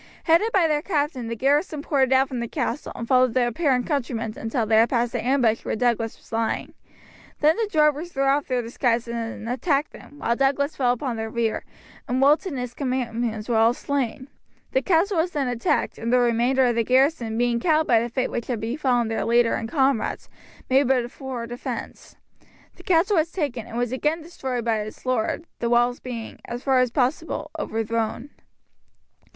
Headed by their captain, the garrison poured out from the castle, and followed the apparent countrymen until they had passed the ambush where Douglas was lying. Then the drovers threw off their disguises and attacked them, while Douglas fell upon their rear, and Walton and his companions were all slain. The castle was then attacked, and the remainder of the garrison being cowed by the fate which had befallen their leader and comrades, made but a poor defence. The castle was taken, and was again destroyed by its lord, the walls being, as far as possible, overthrown.